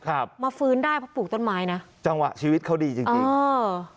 มาฟื้นได้เพราะปลูกต้นไม้นะจังหวะชีวิตเขาดีจริงจริงเออ